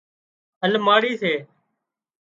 الماڙِي سي